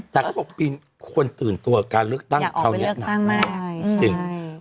จาก๖ปีควรตื่นตัวการเลือกตั้งเขาแยะหนักเลยนะครับจริงอยากออกไปเลือกตั้งได้